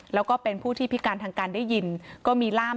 แล้วก็เป็นผู้ที่พิการทางการได้ยินก็มีล่าม